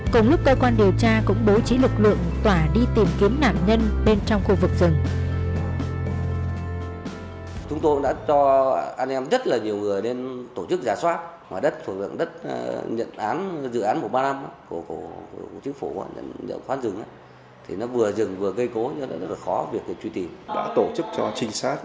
cùng lúc cơ quan điều tra cũng bố trí lực lượng tỏa đi tìm kiếm nạn nhân bên trong khu vực rừng